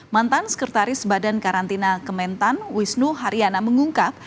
mantan sekretaris badan karantina kementan wisnu haryana mengungkap